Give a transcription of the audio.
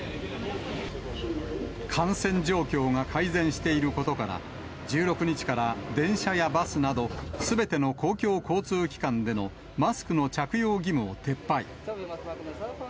感染状況が改善していることから、１６日から電車やバスなど、すべての公共交通機関でのマスクの着用義務を撤廃。